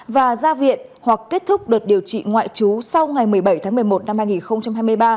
và ra viện hoặc kết thúc đợt điều trị ngoại trú sau ngày một mươi bảy tháng một mươi một năm hai nghìn hai mươi ba